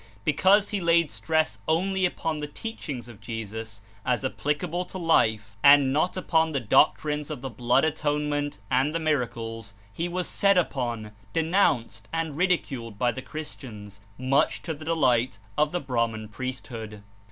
Because he laid stress only upon the teachings of Jesus as applicable to life, and not upon the doctrines of the blood atonement and the miracles, he was set upon, denounced and ridiculed by the Christians, much to the delight of the Brahman priest hood.